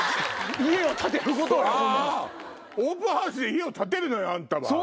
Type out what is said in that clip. オープンハウスで家を建てるのよあんたは。